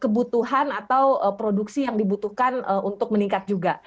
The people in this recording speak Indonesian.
kebutuhan atau produksi yang dibutuhkan untuk meningkat juga